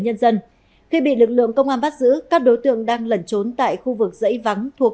nhân dân khi bị lực lượng công an bắt giữ các đối tượng đang lẩn trốn tại khu vực dãy vắng thuộc